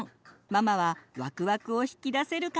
ママはわくわくを引き出せるかな？